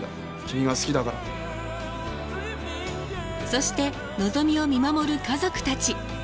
そしてのぞみを見守る家族たち。